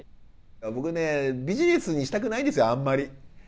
僕ねビジネスにしたくないんですよあんまり。